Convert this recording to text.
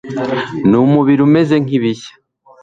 numubiri umeze nkibishya